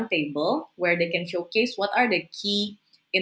apa yang penting yang mereka lakukan